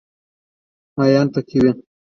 ماهیان پکې وي.